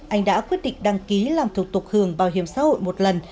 anh đã quyết định đăng ký làm thủ tục hưởng bảo hiểm xã hội một lần